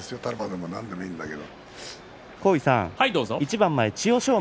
タラバガニでも何でもいいんだけど。